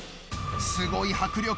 すごい迫力。